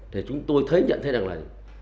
thì chúng tôi thấy nhận thế này là